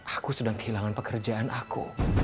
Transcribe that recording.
aku sedang kehilangan pekerjaan aku